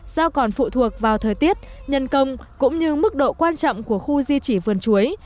do còn phụ thuộc vào thời tiết nhân công cũng như mức độ quan trọng của khu di trì vườn chuối